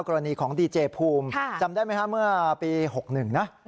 กรณีของดีเจภูมิจำได้ไหมฮะเมื่อปี๖๑นะ